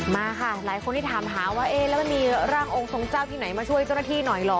มาค่ะหลายคนที่ถามหาว่าเอ๊ะแล้วมันมีร่างทรงเจ้าที่ไหนมาช่วยเจ้าหน้าที่หน่อยเหรอ